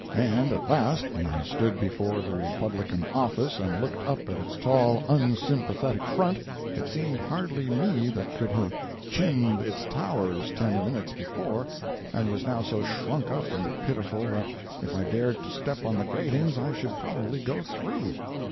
And at last, when I stood before the "Republican" office and looked up at its tall, unsympathetic front, it seemed hardly me that could have "chinned" its towers ten minutes before, and was now so shrunk up and pitiful that if I dared to step on the gratings I should probably go through.